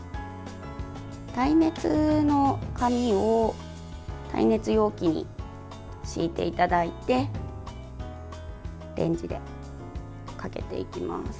耐熱の紙を耐熱容器に敷いていただいてレンジでかけていきます。